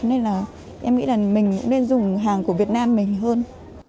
nên là em nghĩ là mình cũng nên dùng hàng của việt nam mình hơn